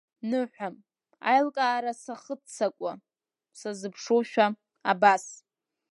Ныҳәам, аилкаара сахыццакуа, сазыԥшушәа, абас.